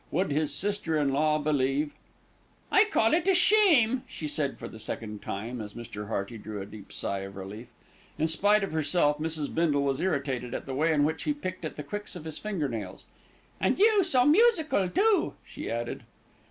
Would his sister in law believe "I call it a shame," she said for the second time, as Mr. Hearty drew a deep sigh of relief. In spite of herself, Mrs. Bindle was irritated at the way in which he picked at the quicks of his finger nails, "and you so musical, too," she added.